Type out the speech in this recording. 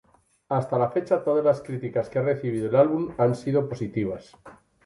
Hasta la fecha todas las críticas que ha recibido el álbum han sido positivas.